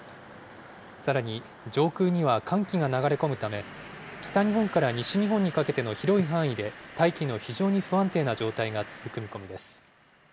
さらに、上空には寒気が流れ込むため、北日本から西日本にかけての広い範囲で大気の非常に不安定な状態が続く見込みです。